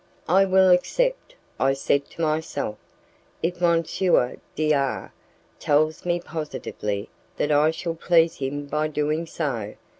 "I will accept," I said to myself, "if M. D R tells me positively that I shall please him by doing so.